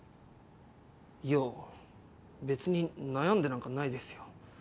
いや別に悩んでなんかないですよ。